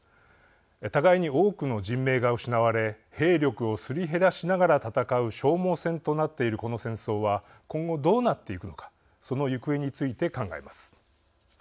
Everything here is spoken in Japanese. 互いに多くの人命が失われ兵力をすり減らしながら戦う消耗戦となっているこの戦争は今後どうなっていくのかその行方について考えます。